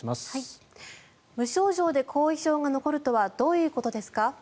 無症状で後遺症が残るとはどういうことですか？